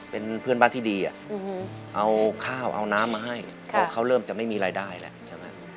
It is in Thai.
เป็นเพื่อนบ้านที่ดีอ่ะเอาข้าวเอาน้ำมาให้เค้าเริ่มจะไม่มีรายได้แหละ